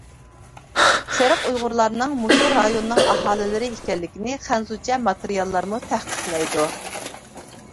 سېرىق ئۇيغۇرلارنىڭ مۇشۇ رايوننىڭ ئاھالىلىرى ئىكەنلىكىنى خەنزۇچە ماتېرىياللارمۇ تەھقىقلەيدۇ.